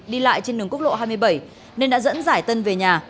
đi lại trên đường quốc lộ hai mươi bảy nên đã dẫn giải tân về nhà